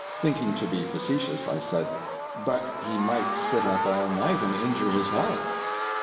Thinking to be facetious, I said: "But he might sit up all night and injure his health."